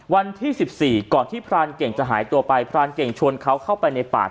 วันที่๑๔ก่อนที่พรานเก่งจะหายตัวไปพรานเก่งชวนเขาเข้าไปในปาก